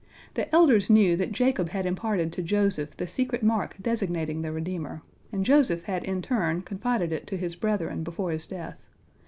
The elders knew that Jacob had imparted to Joseph the secret mark designating the redeemer, and Joseph had in turn confided it to his brethren before his death.